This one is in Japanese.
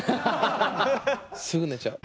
すぐ寝ちゃう。